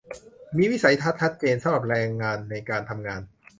มีวิสัยทัศน์ชัดเจนสำหรับแรงงานในการทำงาน